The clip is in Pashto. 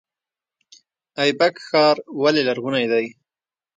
ایبک ښار ولې لرغونی دی؟